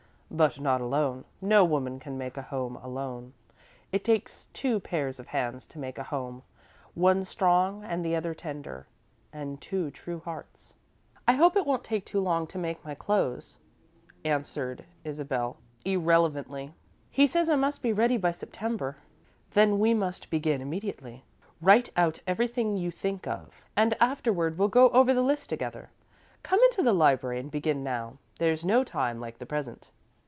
"But not alone. No woman can make a home alone. It takes two pairs of hands to make a home one strong and the other tender, and two true hearts." "I hope it won't take too long to make my clothes," answered Isabel, irrelevantly. "He says I must be ready by September." "Then we must begin immediately. Write out everything you think of, and afterward we'll go over the list together. Come into the library and begin now. There's no time like the present."